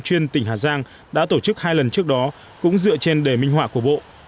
chuyên tỉnh hà giang đã tổ chức hai lần trước đó cũng dựa trên đề minh họa của bộ